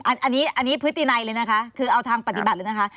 อันนี้พฤตินัยเลยนะคะคือเอาทางปฏิบัติเลยนะคะ